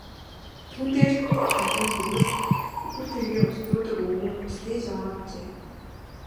Түүн дээр давхин хүрвэл үхэр тэргээр ус зөөдөг өвгөн ус тээж яваа нь ажээ.